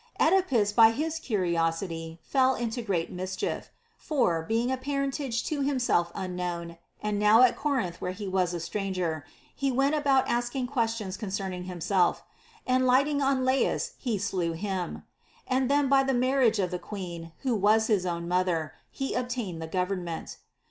Oedipus by his curiosity fell into great mischief ; for, being of a par entage to himself unknown and now at Corinth where he was a stranger, he went about asking questions concern ing himself, and lighting on Laius he slew him ; and then by the marriage of the queen, who was his own mother, he obtained the government.